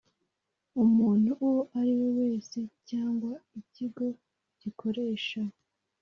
umuntu uwo ari we wese cyangwa ikigo gikoresha